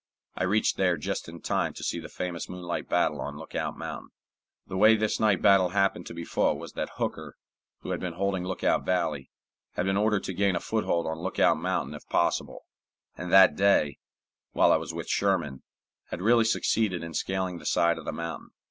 I reached there just in time to see the famous moonlight battle on Lookout Mountain. The way this night battle happened to be fought was that Hooker, who had been holding Lookout Valley, had been ordered to gain a foothold on Lookout Mountain if possible, and that day, while I was with Sherman, had really succeeded in scaling the side of the mountain.